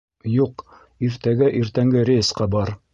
Юҡ, иртәгә иртәнге рейсҡа бар